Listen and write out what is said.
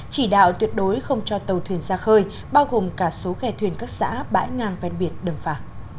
chỉ đạo tuyệt đối không cho tàu thuyền ra khơi bao gồm cả số ghe thuyền các xã bãi ngang ven biển đường phà